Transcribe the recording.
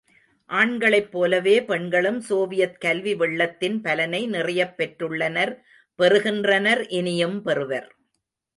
ஆண்களைப் போலப் பெண்களும் சோவியத் கல்வி வெள்ளத்தின் பலனை நிறையப் பெற்றுள்ளனர் பெறுகின்றனர் இனியும் பெறுவர்.